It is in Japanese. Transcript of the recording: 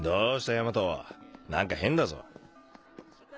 大和何か変だぞ。